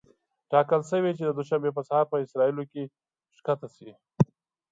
ټاکل شوې چې د دوشنبې په سهار په اسرائیلو کې ښکته شي.